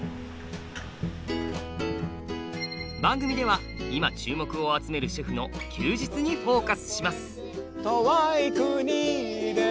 番組では今注目を集めるシェフの「休日」にフォーカスします。